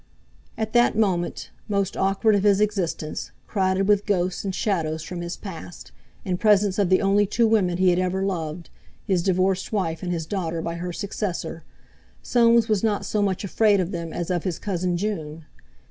At that moment, most awkward of his existence, crowded with ghosts and shadows from his past, in presence of the only two women he had ever loved—his divorced wife and his daughter by her successor—Soames was not so much afraid of them as of his cousin June.